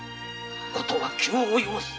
事は急を要する。